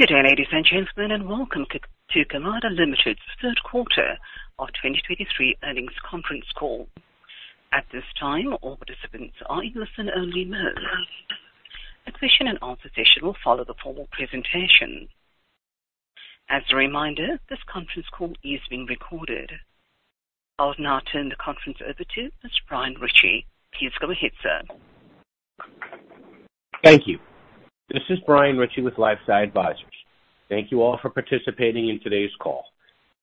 Good day, ladies and gentlemen, and welcome to Kamada Limited's third quarter of 2023 earnings conference call. At this time, all participants are in listen-only mode. A question and answer session will follow the formal presentation. As a reminder, this conference call is being recorded. I'll now turn the conference over to Mr. Brian Ritchie. Please go ahead, sir. Thank you. This is Brian Ritchie with LifeSci Advisors. Thank you all for participating in today's call.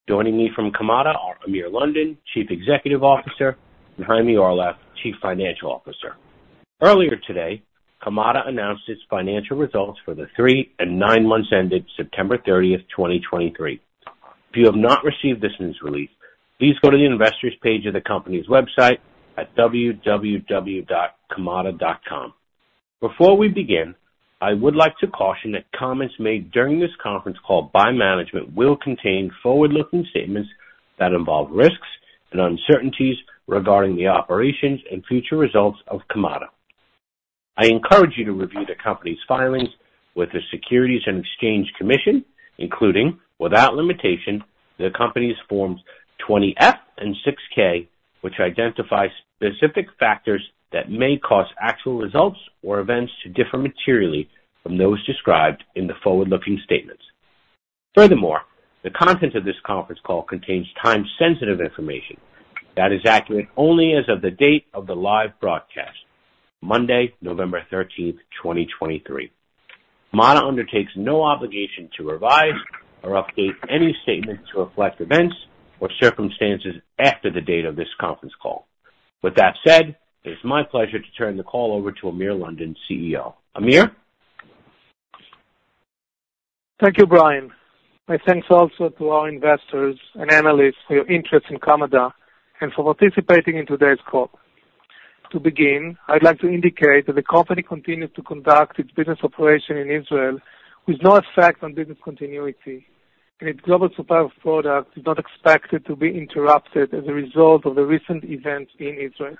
Joining me from Kamada are Amir London, Chief Executive Officer, and Chaime Orlev, Chief Financial Officer. Earlier today, Kamada announced its financial results for the three and nine months ended September 30th, 2023. If you have not received this news release, please go to the investors page of the company's website at www.kamada.com. Before we begin, I would like to caution that comments made during this conference call by management will contain forward-looking statements that involve risks and uncertainties regarding the operations and future results of Kamada. I encourage you to review the company's filings with the Securities and Exchange Commission, including, without limitation, the company's Forms 20-F and 6-K, which identify specific factors that may cause actual results or events to differ materially from those described in the forward-looking statements. Furthermore, the contents of this conference call contains time-sensitive information that is accurate only as of the date of the live broadcast, Monday, November 13th, 2023. Kamada undertakes no obligation to revise or update any statement to reflect events or circumstances after the date of this conference call. With that said, it's my pleasure to turn the call over to Amir London, CEO. Amir? Thank you, Brian. My thanks also to our investors and analysts for your interest in Kamada and for participating in today's call. To begin, I'd like to indicate that the company continues to conduct its business operation in Israel with no effect on business continuity, and its global supply of product is not expected to be interrupted as a result of the recent events in Israel.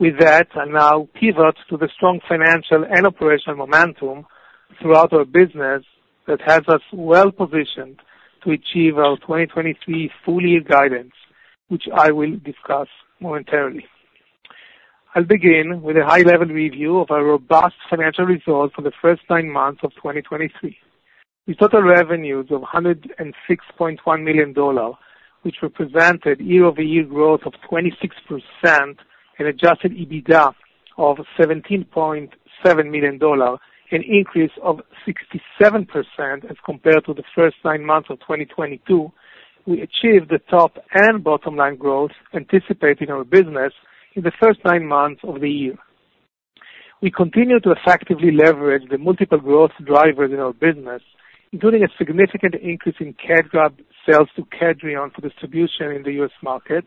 With that, I'll now pivot to the strong financial and operational momentum throughout our business that has us well positioned to achieve our 2023 full year guidance, which I will discuss momentarily. I'll begin with a high-level review of our robust financial results for the first nine months of 2023. With total revenues of $106.1 million, which represented year-over-year growth of 26% and Adjusted EBITDA of $17.7 million, an increase of 67% as compared to the first nine months of 2022, we achieved the top and bottom line growth anticipating our business in the first nine months of the year. We continue to effectively leverage the multiple growth drivers in our business, including a significant increase in KEDRAB sales to Kedrion for distribution in the U.S. market.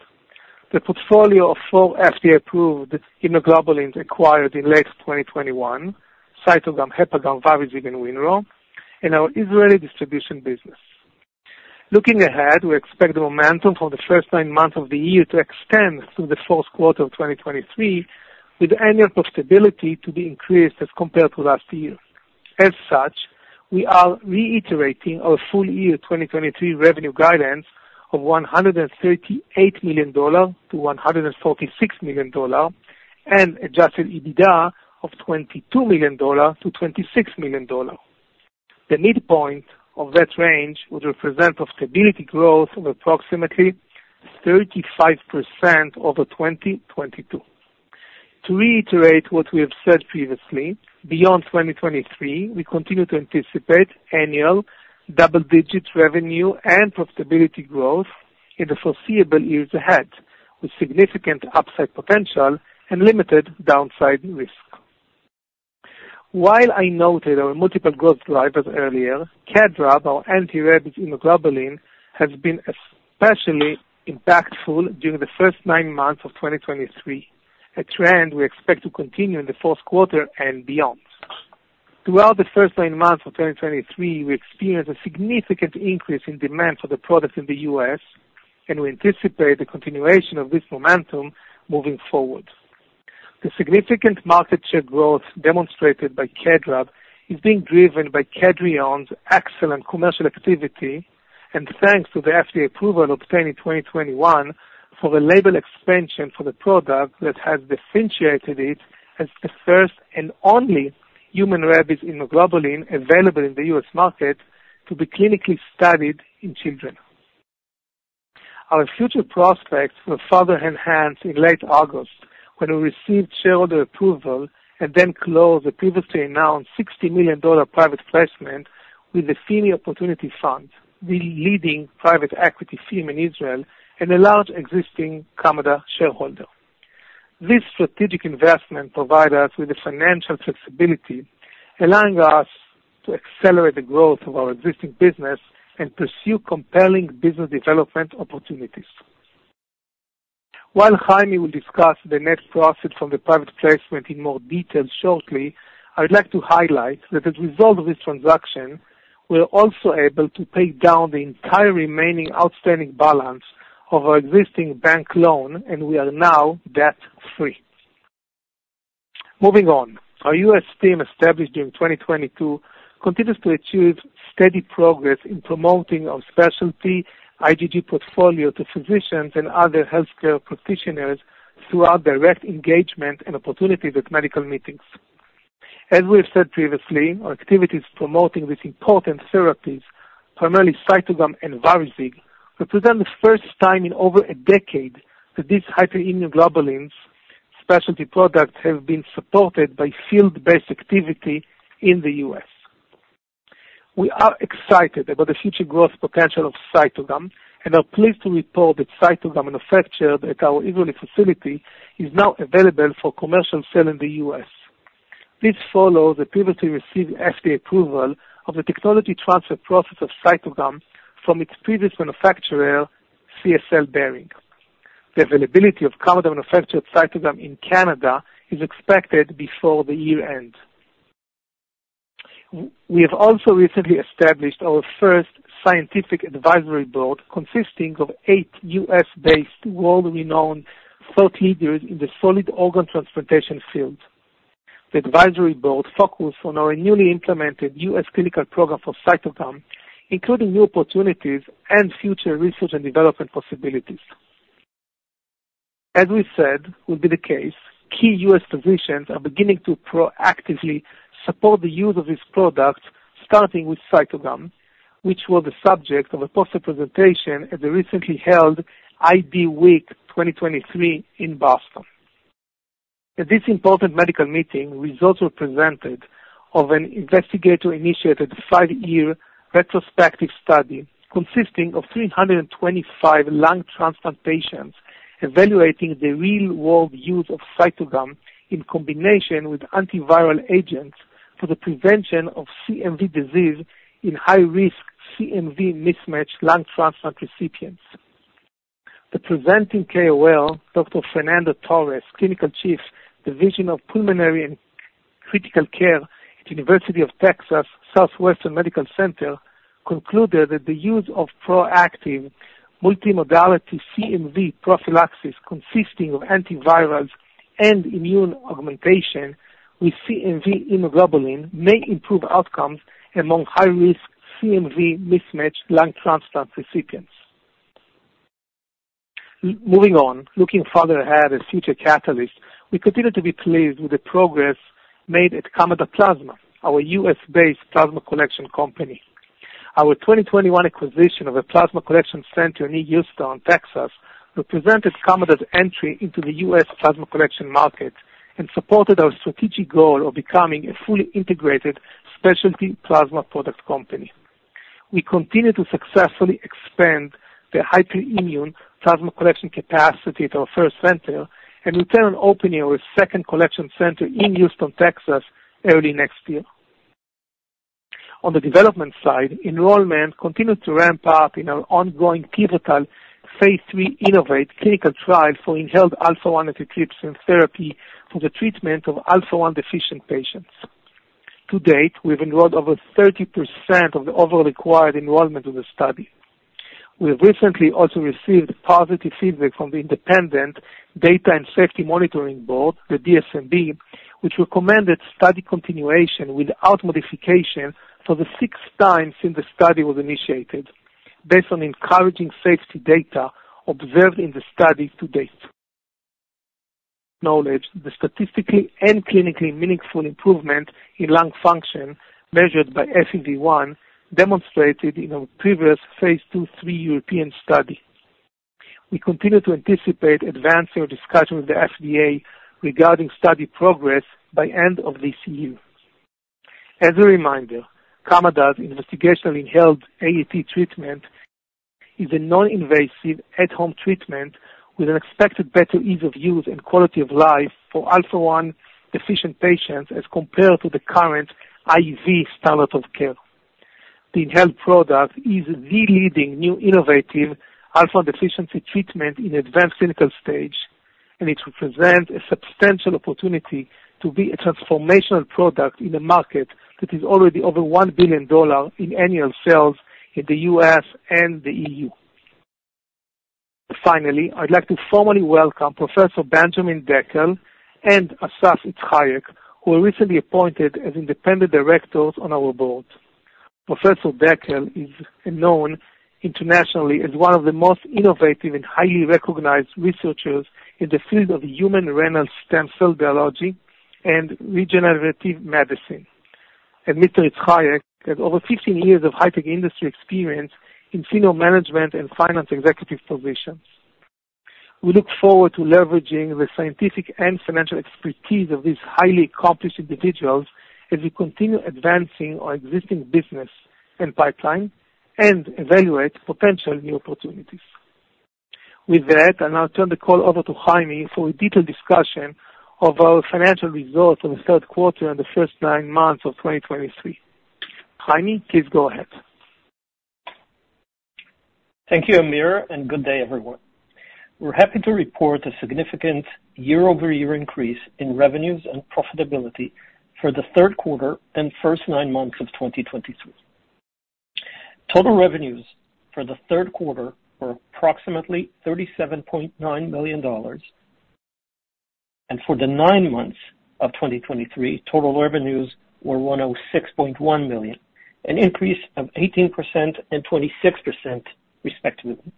The portfolio of four FDA-approved immunoglobulins acquired in late 2021, Cytogam, HepaGam, Varizig, and WinRho, and our Israeli distribution business. Looking ahead, we expect the momentum for the first nine months of the year to extend through the fourth quarter of 2023, with annual profitability to be increased as compared to last year. As such, we are reiterating our full year 2023 revenue guidance of $138 million-$146 million and Adjusted EBITDA of $22 million-$26 million. The midpoint of that range would represent a substantial growth of approximately 35% over 2022. To reiterate what we have said previously, beyond 2023, we continue to anticipate annual double-digit revenue and profitability growth in the foreseeable years ahead, with significant upside potential and limited downside risk. While I noted our multiple growth drivers earlier, KEDRAB, our anti-rabies immunoglobulin, has been especially impactful during the first nine months of 2023, a trend we expect to continue in the fourth quarter and beyond. Throughout the first nine months of 2023, we experienced a significant increase in demand for the product in the U.S., and we anticipate the continuation of this momentum moving forward. The significant market share growth demonstrated by KEDRAB is being driven by Kedrion's excellent commercial activity, and thanks to the FDA approval obtained in 2021 for the label expansion for the product that has differentiated it as the first and only human rabies immunoglobulin available in the U.S. market to be clinically studied in children. Our future prospects were further enhanced in late August, when we received shareholder approval and then closed the previously announced $60 million private placement with the FIMI Opportunity Funds, the leading private equity firm in Israel and a large existing Kamada shareholder. This strategic investment provide us with the financial flexibility, allowing us to accelerate the growth of our existing business and pursue compelling business development opportunities. While Chaime will discuss the net profits from the private placement in more detail shortly, I'd like to highlight that as a result of this transaction, we're also able to pay down the entire remaining outstanding balance of our existing bank loan, and we are now debt-free. Moving on, our U.S. team, established in 2022, continues to achieve steady progress in promoting our specialty IgG portfolio to physicians and other healthcare practitioners through our direct engagement and opportunity with medical meetings. As we have said previously, our activities promoting these important therapies, primarily Cytogam and Varizig, represent the first time in over a decade that these hyperimmunoglobulins specialty products have been supported by field-based activity in the U.S. We are excited about the future growth potential of Cytogam and are pleased to report that Cytogam manufactured at our Israeli facility is now available for commercial sale in the U.S. This follows the pivot to receive FDA approval of the technology transfer process of Cytogam from its previous manufacturer, CSL Behring. The availability of Kamada-manufactured Cytogam in Canada is expected before the year ends. We have also recently established our first scientific advisory board, consisting of eight U.S.-based, world-renowned thought leaders in the solid organ transplantation field. The advisory board focus on our newly implemented U.S. clinical program for Cytogam, including new opportunities and future research and development possibilities. As we said, would be the case, key U.S. physicians are beginning to proactively support the use of these products, starting with Cytogam, which was the subject of a poster presentation at the recently held IDWeek 2023 in Boston. At this important medical meeting, results were presented of an investigator-initiated five-year retrospective study consisting of 325 lung transplant patients, evaluating the real-world use of Cytogam in combination with antiviral agents for the prevention of CMV disease in high-risk CMV mismatched lung transplant recipients. The presenting KOL, Dr. Fernando Torres, Clinical Chief, Division of Pulmonary and Critical Care at University of Texas Southwestern Medical Center, concluded that the use of proactive multimodality CMV prophylaxis, consisting of antivirals and immune augmentation with CMV immunoglobulin, may improve outcomes among high-risk CMV mismatched lung transplant recipients. Moving on, looking farther ahead at future catalysts, we continue to be pleased with the progress made at Kamada Plasma, our U.S.-based plasma collection company. Our 2021 acquisition of a plasma collection center near Houston, Texas, represented Kamada's entry into the U.S. plasma collection market and supported our strategic goal of becoming a fully integrated specialty plasma product company. We continue to successfully expand the hyperimmune plasma collection capacity at our first center and intend on opening our second collection center in Houston, Texas, early next year. On the development side, enrollment continued to ramp up in our ongoing pivotal phase III InnovAATe clinical trial for inhaled alpha-1 antitrypsin therapy for the treatment of alpha-1 deficient patients. To date, we've enrolled over 30% of the overall required enrollment of the study. We have recently also received positive feedback from the independent Data and Safety Monitoring Board, the DSMB, which recommended study continuation without modification for the sixth time since the study was initiated, based on encouraging safety data observed in the study to date. Noting the statistically and clinically meaningful improvement in lung function, measured by FEV1, demonstrated in our previous Phase 2/3 European study. We continue to anticipate advancing our discussion with the FDA regarding study progress by end of this year. As a reminder, Kamada's investigational inhaled AAT treatment is a non-invasive at-home treatment with an expected better ease of use and quality of life for alpha-1 deficient patients as compared to the current IV standard of care. The inhaled product is the leading new innovative alpha-1 deficiency treatment in advanced clinical stage, and it represents a substantial opportunity to be a transformational product in a market that is already over $1 billion in annual sales in the U.S. and the E.U. Finally, I'd like to formally welcome Professor Benjamin Dekel and Assaf Itshayek, who were recently appointed as Independent Directors on our board. Professor Dekel is known internationally as one of the most innovative and highly recognized researchers in the field of human renal stem cell biology and regenerative medicine. Mr. Itshayek has over 15 years of high-tech industry experience in senior management and finance executive positions. We look forward to leveraging the scientific and financial expertise of these highly accomplished individuals as we continue advancing our existing business and pipeline and evaluate potential new opportunities. With that, I'll now turn the call over to Chaime for a detailed discussion of our financial results in the third quarter and the first nine months of 2023. Chaime, please go ahead. Thank you, Amir, and good day, everyone. We're happy to report a significant year-over-year increase in revenues and profitability for the third quarter and first nine months of 2022. ...Total revenues for the third quarter were approximately $37.9 million, and for the nine months of 2023, total revenues were $106.1 million, an increase of 18% and 26%, respectively.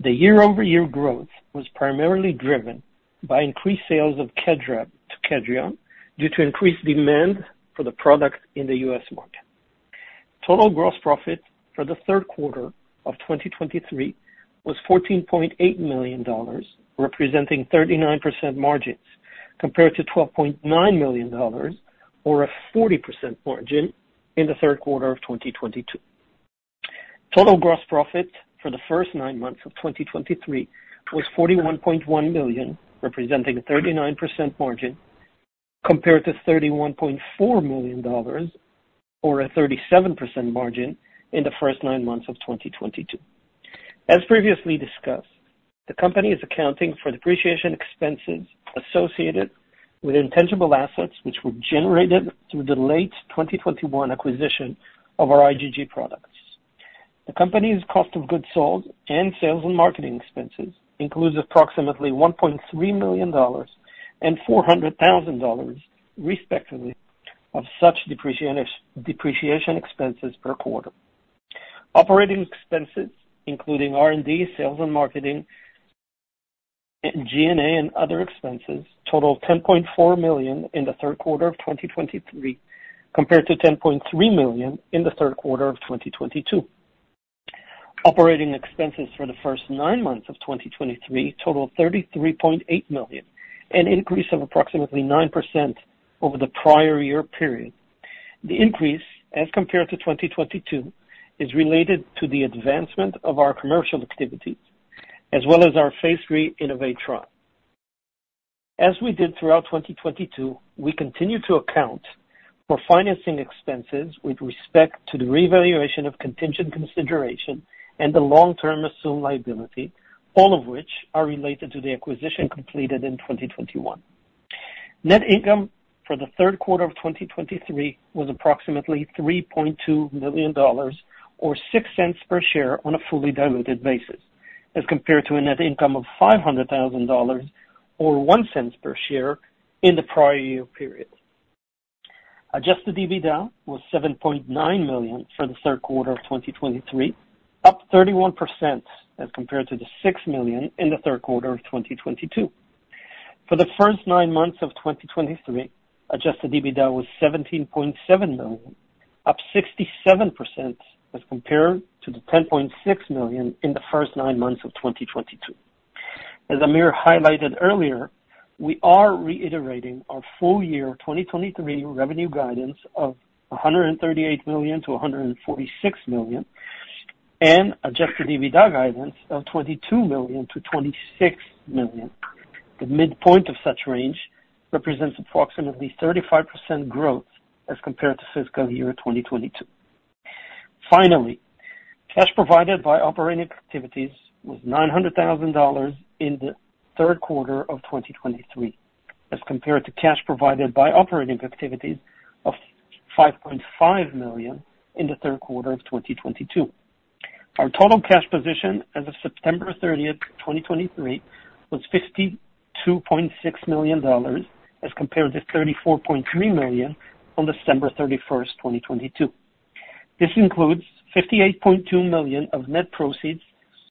The year-over-year growth was primarily driven by increased sales of KEDRAB to Kedrion, due to increased demand for the product in the U.S. market. Total gross profit for the third quarter of 2023 was $14.8 million, representing 39% margins, compared to $12.9 million or a 40% margin in the third quarter of 2022. Total gross profit for the first nine months of 2023 was $41.1 million, representing a 39% margin, compared to $31.4 million or a 37% margin in the first nine months of 2022. As previously discussed, the company is accounting for depreciation expenses associated with intangible assets, which were generated through the late 2021 acquisition of our IgG products. The company's cost of goods sold and sales and marketing expenses includes approximately $1.3 million and $400,000, respectively, of such depreciation expenses per quarter. Operating expenses, including R&D, sales and marketing, and G&A and other expenses, totaled $10.4 million in the third quarter of 2023, compared to $10.3 million in the third quarter of 2022. Operating expenses for the first nine months of 2023 totaled $33.8 million, an increase of approximately 9% over the prior year period. The increase, as compared to 2022, is related to the advancement of our commercial activities as well as our phase III InnovAATe trial. As we did throughout 2022, we continue to account for financing expenses with respect to the revaluation of contingent consideration and the long-term assumed liability, all of which are related to the acquisition completed in 2021. Net income for the third quarter of 2023 was approximately $3.2 million, or $0.06 per share on a fully diluted basis, as compared to a net income of $500,000 or $0.01 per share in the prior year period. Adjusted EBITDA was $7.9 million for the third quarter of 2023, up 31% as compared to the $6 million in the third quarter of 2022. For the first nine months of 2023, Adjusted EBITDA was $17.7 million, up 67% as compared to the $10.6 million in the first nine months of 2022. As Amir highlighted earlier, we are reiterating our full year 2023 revenue guidance of $138 million-$146 million and Adjusted EBITDA guidance of $22 million-$26 million. The midpoint of such range represents approximately 35% growth as compared to fiscal year 2022. Finally, cash provided by operating activities was $900,000 in the third quarter of 2023, as compared to cash provided by operating activities of $5.5 million in the third quarter of 2022. Our total cash position as of September 30, 2023, was $52.6 million, as compared to $34.3 million on December 31st, 2022. This includes $58.2 million of net proceeds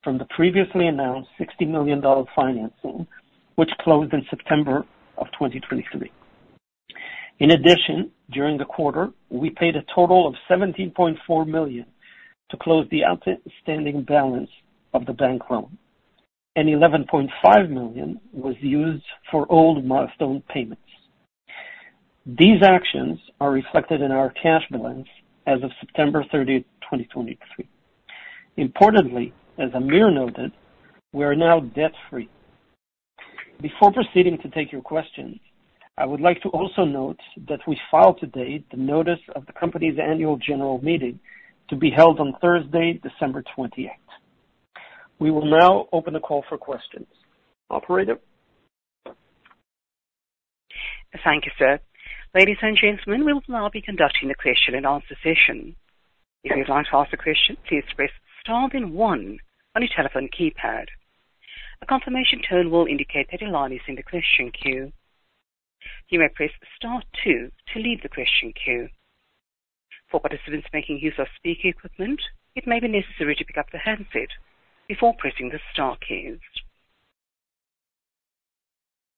from the previously announced $60 million financing, which closed in September of 2023. In addition, during the quarter, we paid a total of $17.4 million to close the outstanding balance of the bank loan, and $11.5 million was used for old milestone payments. These actions are reflected in our cash balance as of September 30th, 2023. Importantly, as Amir noted, we are now debt-free. Before proceeding to take your questions, I would like to also note that we filed today the notice of the company's Annual General Meeting to be held on Thursday, December 28. We will now open the call for questions. Operator? Thank you, sir. Ladies and gentlemen, we will now be conducting a question and answer session. If you'd like to ask a question, please press star then one on your telephone keypad. A confirmation tone will indicate that your line is in the question queue. You may press star two to leave the question queue. For participants making use of speaker equipment, it may be necessary to pick up the handset before pressing the star keys.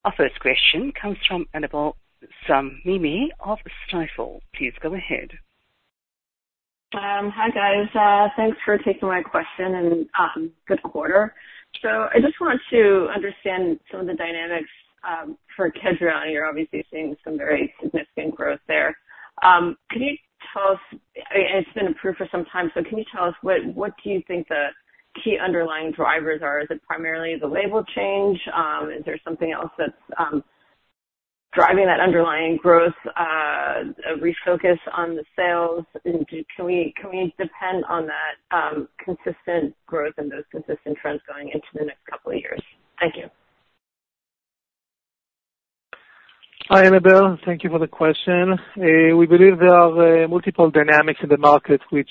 Our first question comes from Annabel Samimy of Stifel. Please go ahead. Hi, guys. Thanks for taking my question and good quarter. So I just want to understand some of the dynamics for Kedrion. You're obviously seeing some very significant growth there. Can you tell us... It's been approved for some time, so can you tell us what do you think the key underlying drivers are? Is it primarily the label change? Is there something else that's driving that underlying growth, a refocus on the sales? And can we depend on that consistent growth and those consistent trends going into the next couple of years? Thank you.... Hi, Annabel. Thank you for the question. We believe there are multiple dynamics in the market which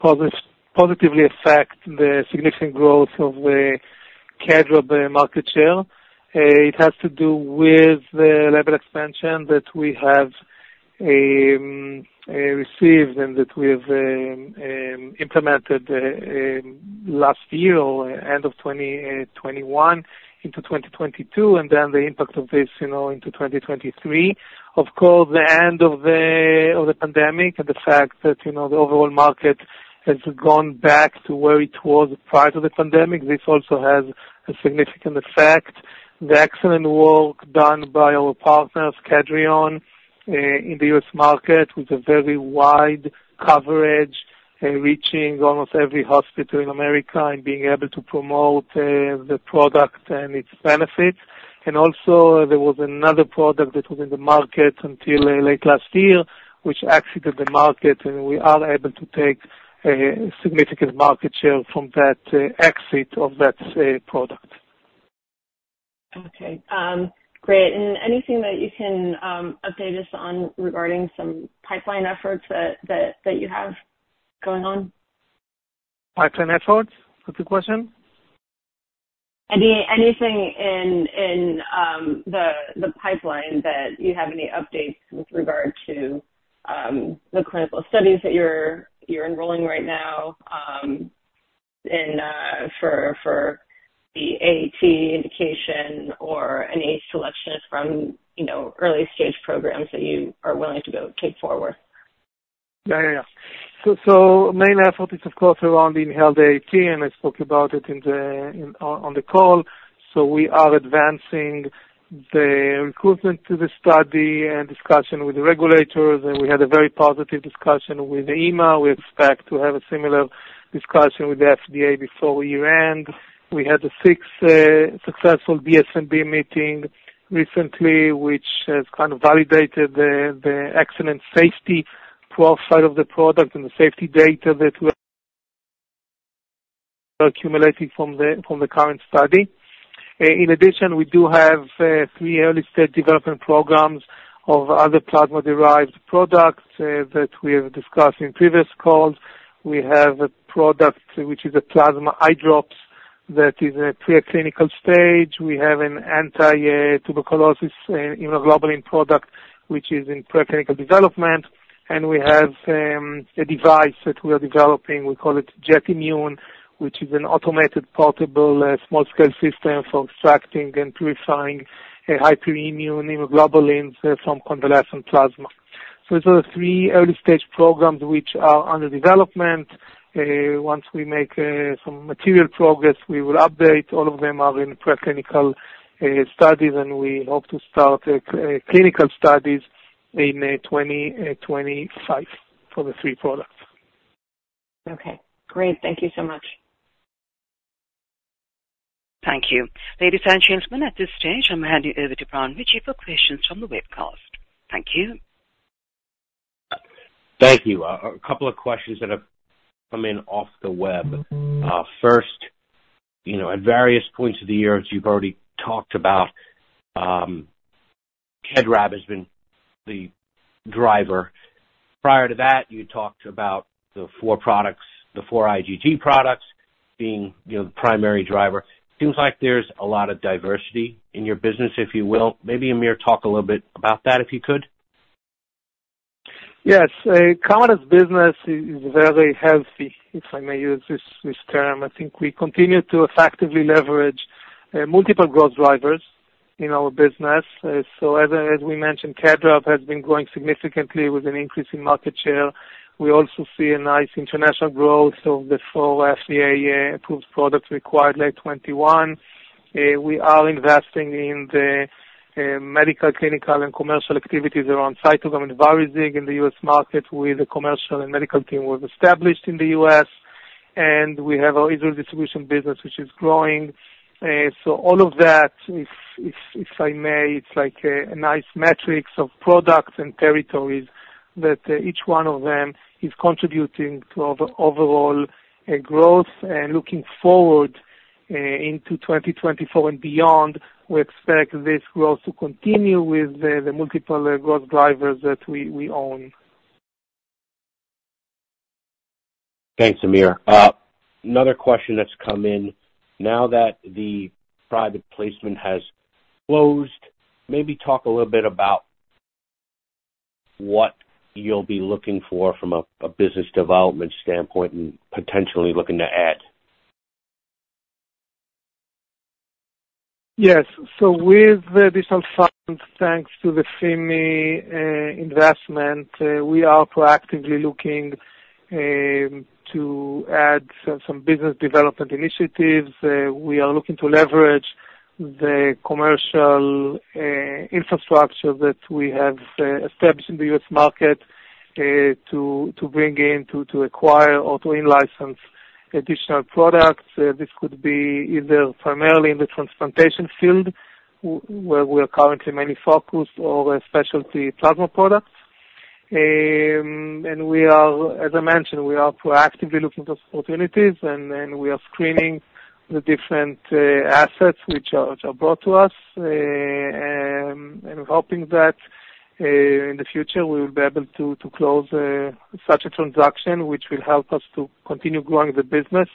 positively affect the significant growth of the KEDRAB market share. It has to do with the label expansion that we have received and that we have implemented last year, end of 2021 into 2022, and then the impact of this, you know, into 2023. Of course, the end of the pandemic and the fact that, you know, the overall market has gone back to where it was prior to the pandemic, this also has a significant effect. The excellent work done by our partners, Kedrion, in the U.S. market, with a very wide coverage, reaching almost every hospital in America and being able to promote the product and its benefits. And also, there was another product that was in the market until late last year, which exited the market, and we are able to take a significant market share from that exit of that product. Okay. Great. And anything that you can update us on regarding some pipeline efforts that you have going on? Pipeline efforts? What's the question? Anything in the pipeline that you have any updates with regard to, the clinical studies that you're enrolling right now, and for the AAT indication or any selections from, you know, early-stage programs that you are willing to go take forward? Yeah, yeah, yeah. So main effort is, of course, around the inhaled AAT, and I spoke about it on the call. So we are advancing the recruitment to the study and discussion with the regulators, and we had a very positive discussion with EMA. We expect to have a similar discussion with the FDA before year-end. We had a sixth successful DSMB meeting recently, which has kind of validated the excellent safety profile of the product and the safety data that we are accumulating from the current study. In addition, we do have three early-stage development programs of other plasma-derived products that we have discussed in previous calls. We have a product which is a plasma eye drops that is in a preclinical stage. We have an anti-tuberculosis immunoglobulin product, which is in preclinical development, and we have a device that we are developing, we call it JetImmune, which is an automated, portable, small-scale system for extracting and purifying hyperimmune immunoglobulins from convalescent plasma. So those are the three early-stage programs which are under development. Once we make some material progress, we will update. All of them are in preclinical studies, and we hope to start clinical studies in 2025 for the three products. Okay, great. Thank you so much. Thank you. Ladies and gentlemen, at this stage, I'll hand you over to Brian Ritchie for questions from the webcast. Thank you. Thank you. A couple of questions that have come in off the web. First, you know, at various points of the year, as you've already talked about, KEDRAB has been the driver. Prior to that, you talked about the four products, the four IgG products being, you know, the primary driver. Seems like there's a lot of diversity in your business, if you will. Maybe, Amir, talk a little bit about that, if you could. Yes. Our business is very healthy, if I may use this term. I think we continue to effectively leverage multiple growth drivers in our business. So as we mentioned, KEDRAB has been growing significantly with an increase in market share. We also see a nice international growth of the four FDA-approved products acquired late 2021. We are investing in the medical, clinical, and commercial activities around Cytogam and Varizig in the U.S. market with the commercial and medical team we've established in the U.S., and we have our Israel distribution business, which is growing. So all of that, if I may, it's like a nice mix of products and territories that each one of them is contributing to overall growth. Looking forward into 2024 and beyond, we expect this growth to continue with the multiple growth drivers that we own. Thanks, Amir. Another question that's come in: Now that the private placement has closed, maybe talk a little bit about what you'll be looking for from a business development standpoint and potentially looking to add. Yes. So with the additional funds, thanks to the FIMI Investment, we are proactively looking to add some business development initiatives. We are looking to leverage the commercial infrastructure that we have established in the U.S. market to bring in, to acquire or to in-license additional products. This could be either primarily in the transplantation field, where we are currently mainly focused, or specialty plasma products. And we are, as I mentioned, we are proactively looking for opportunities, and then we are screening the different assets which are, which are brought to us, and hoping that in the future, we will be able to, to close such a transaction, which will help us to continue growing the business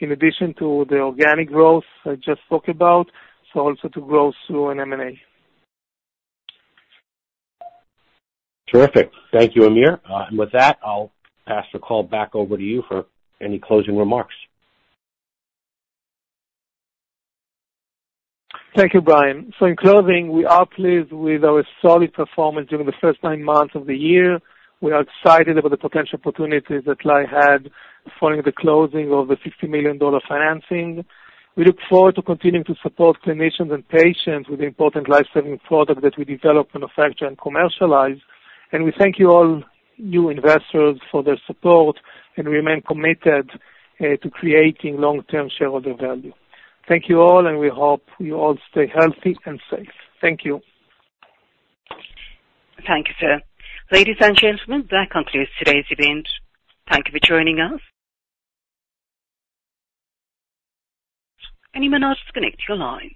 in addition to the organic growth I just spoke about, so also to grow through an M&A. Terrific. Thank you, Amir. With that, I'll pass the call back over to you for any closing remarks. Thank you, Brian. So in closing, we are pleased with our solid performance during the first nine months of the year. We are excited about the potential opportunities that lie ahead following the closing of the $60 million financing. We look forward to continuing to support clinicians and patients with the important life-saving product that we develop, manufacture, and commercialize. We thank you all, new investors, for their support and remain committed to creating long-term shareholder value. Thank you all, and we hope you all stay healthy and safe. Thank you. Thank you, sir. Ladies and gentlemen, that concludes today's event. Thank you for joining us. You may now disconnect your lines.